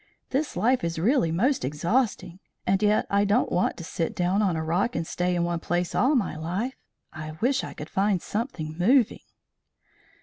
"This life is really most exhausting. And yet I don't want to sit down on a rock and stay in one place all my life. I wish I could find something moving."